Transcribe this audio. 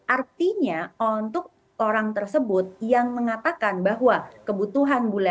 artinya untuk orang tersebut yang mengatakan bahwa kebutuhan bulan